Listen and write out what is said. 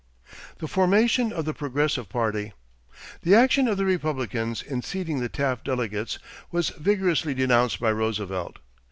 =The Formation of the Progressive Party.= The action of the Republicans in seating the Taft delegates was vigorously denounced by Roosevelt.